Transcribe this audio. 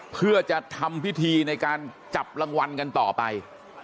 เพื่อจะทำพิธีในการจับรางวัลกันต่อไป